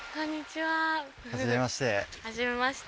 はじめまして。